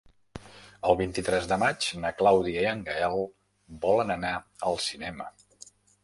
El vint-i-tres de maig na Clàudia i en Gaël volen anar al cinema.